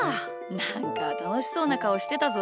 なんかたのしそうなかおしてたぞ。